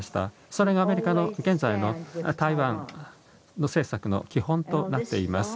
それがアメリカの現在の台湾政策の基本となっています。